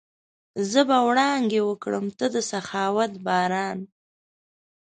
زه به وړانګې وکرم، ته د سخاوت باران